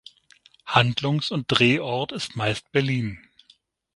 Handlungs- und Drehort ist meist Berlin.